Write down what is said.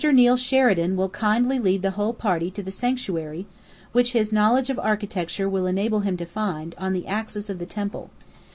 Neill Sheridan will kindly lead the whole party to the sanctuary, which his knowledge of architecture will enable him to find, on the axis of the temple.